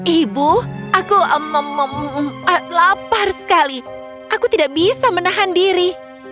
ibu aku lapar sekali aku tidak bisa menahan diri